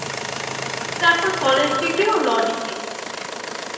তারপর college degree ও law degree.